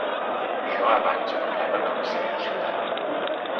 Jo abans parlava de reciprocitat.